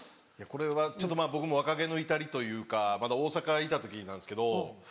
これは僕も若気の至りというかまだ大阪いた時なんですけど。